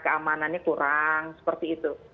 keamanannya kurang seperti itu